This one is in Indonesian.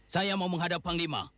saya mau menghadap panglima